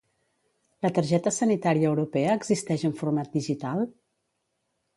La targeta sanitària europea existeix en format digital?